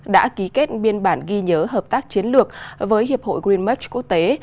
đã ký kết biên bản ghi nhớ hợp tác chiến lược với hiệp hội green match quốc tế